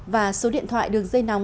và số điện thoại đường dây nóng